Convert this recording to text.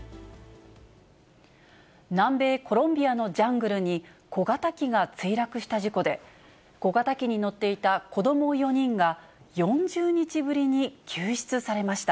南米コロンビアのジャングルに、小型機が墜落した事故で、小型機に乗っていた子ども４人が４０日ぶりに救出されました。